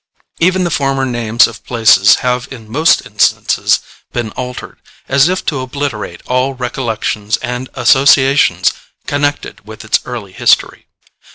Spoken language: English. Even the former names of places have in most instances been altered, as if to obliterate all recollections and associations connected with its early history.